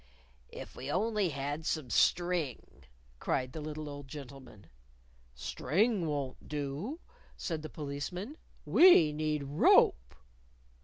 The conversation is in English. "If we only had some string!" cried the little old gentleman. "String won't do," said the Policeman. "We need rope."